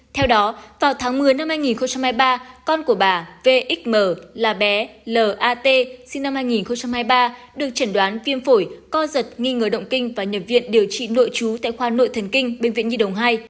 theo đó vào tháng một mươi năm hai nghìn hai mươi ba con của bà vxm là bé lat sinh năm hai nghìn hai mươi ba được chẩn đoán viêm phổi co giật nghi ngờ động kinh và nhập viện điều trị nội trú tại khoa nội thần kinh bệnh viện nhi đồng hai